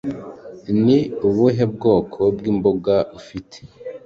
Ni ubuhe bwoko bw'imboga ufite